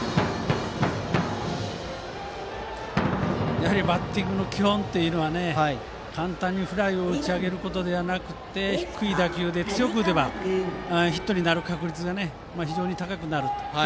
やはりバッティングの基本というのは簡単にフライを打ち上げることではなくて低い打球で強く打てばヒットになる確率が非常に高くなるという。